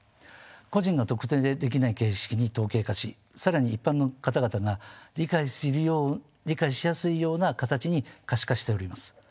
個人の特定できない形式に統計化し更に一般の方々が理解しやすいような形に可視化しております。